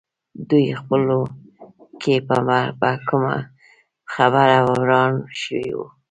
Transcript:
دوی خپلو کې پر کومه خبره وران شوي وو.